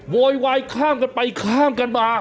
โวยวายข้ามกันไปข้ามกันมา